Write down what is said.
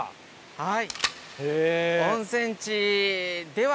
はい。